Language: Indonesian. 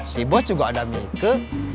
si bos juga ada mike